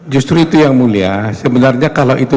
justru itu yang mulia sebenarnya kalau itu